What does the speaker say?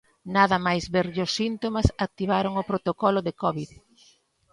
Nada máis verlle os síntomas activaron o protocolo de Covid.